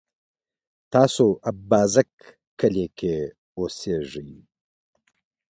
تاسو اببازک کلي کی اوسیږئ؟